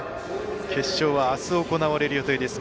決勝はあす行われる予定です。